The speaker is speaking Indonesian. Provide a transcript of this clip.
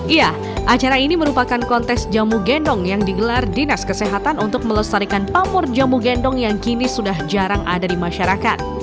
iya acara ini merupakan kontes jamu gendong yang digelar dinas kesehatan untuk melestarikan pamur jamu gendong yang kini sudah jarang ada di masyarakat